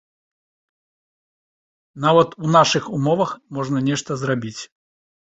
Нават у нашых умовах можна нешта зрабіць.